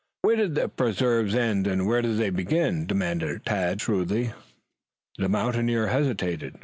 "Where do the preserves end and where do they begin?" demanded Tad shrewdly. The mountaineer hesitated.